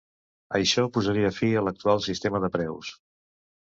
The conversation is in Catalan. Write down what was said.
Això posaria fi a l'actual sistema de preus.